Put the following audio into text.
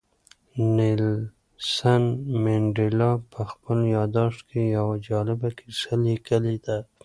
نیلسن منډېلا په خپل یاداښت کې یوه جالبه کیسه لیکلې ده.